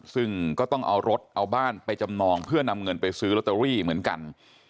ซึ่งก็ต้องเอารถเอาบ้านไปจำนองเพื่อนำเงินไปซื้อลอตเตอรี่เหมือนกัน